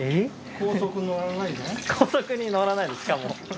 高速に乗らないでしかも。